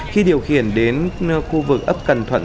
khi điều khiển đến khu vực ấp cần thuận